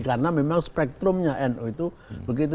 karena memang spektrumnya nu itu begitu